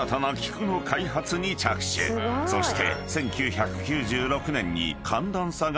［そして］